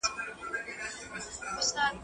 هغه څوک چي کار کوي پرمختګ کوي؟